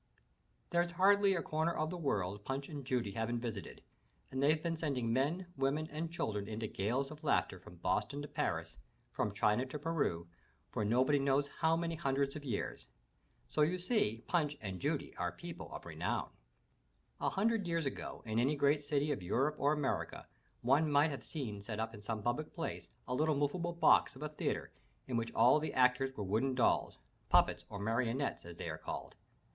There's hardly a comer of the world Punch and Judy haven't visited, and they've been sending men, women and children into gales of laughter from Boston to Paris, from China to Peru, for nobody knows how many hundreds of years. So you see Ptmch and Judy are people of renown. A hundred years ago, in any great city of Europe or America one might have seen set up in some public place, a little movable 438 THROUGH FAIRY HALLS box of a theatre in which all the actors were wooden dolls — puppets or marionettes, as they are called.